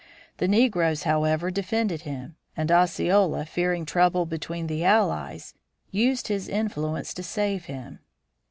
The negroes, however, defended him, and Osceola, fearing trouble between the allies, used his influence to save him.